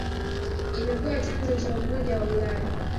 Imekuwa chanzo cha Umoja wa Ulaya.